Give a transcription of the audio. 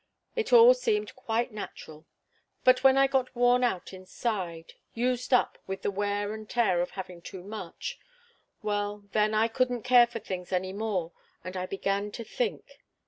It all seemed quite natural. But when I got worn out inside used up with the wear and tear of having too much well, then I couldn't care for things any more, and I began to think.